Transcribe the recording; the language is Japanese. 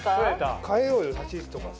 変えようよ立ち位置とかさ。